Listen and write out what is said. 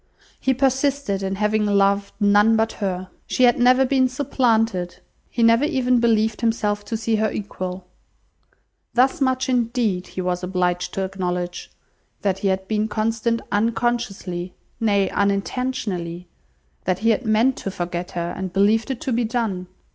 He persisted in having loved none but her. She had never been supplanted. He never even believed himself to see her equal. Thus much indeed he was obliged to acknowledge: that he had been constant unconsciously, nay unintentionally; that he had meant to forget her, and believed it to be done.